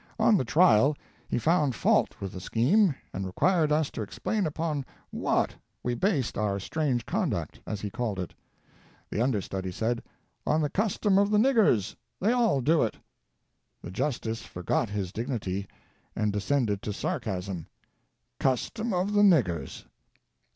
On the trial, he found fault with the scheme, and required us to explain upon what we based our strange conduct — as he called it. The under study said: "On the custom of the niggers. They all do it." The justice forgot his dignity, and descended to sarcasm: "Custom of the niggers